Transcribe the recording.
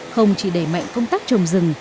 không chỉ đẩy mạnh công tác trồng rừng